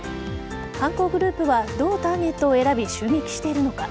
犯行グループはどうターゲットを選び襲撃しているのか。